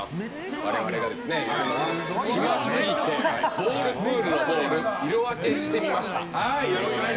我々がやるのは暇すぎてボールプールのボール色分けしてみました。